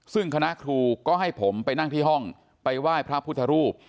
ซึ่งคณะครูก็ให้ผมไปนั่งที่ห้องไปไหว้พระพุทธรูป